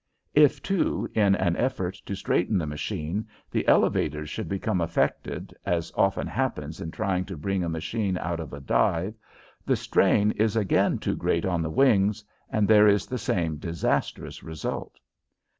If, too, in an effort to straighten the machine, the elevators should become affected, as often happens in trying to bring a machine out of a dive, the strain is again too great on the wings, and there is the same disastrous result.